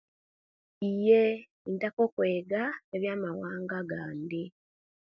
Iyee intaka okwega ebiyamawanga gandi